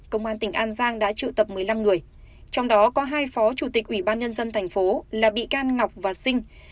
công an tỉnh an giang đã triệu tập một mươi năm người trong đó có hai phó chủ tịch ủy ban nhân dân thành phố là bị can ngọc và sinh